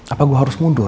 apa saya harus mundur